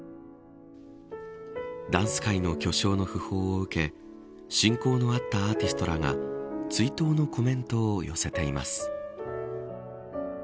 ダンス界の巨匠の訃報を受け親交のあったアーティストらが追悼のコメントを寄せています。